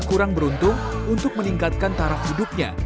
kurang beruntung untuk meningkatkan taraf hidupnya